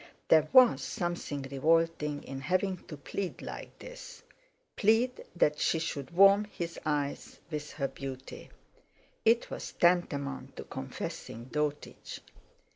There was something revolting in having to plead like this; plead that she should warm his eyes with her beauty. It was tantamount to confessing dotage.